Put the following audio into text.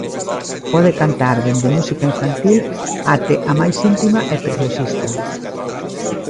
Pode cantar dende música infantil até a máis íntima e preciosista.